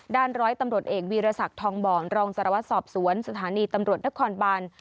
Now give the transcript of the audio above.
ด้านร้อยตำลดเอกวีรสักทองบ่อนรองสรวจสอบสวนสถานีตำลดนักความบัน